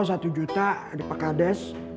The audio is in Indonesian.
satu juta di pakades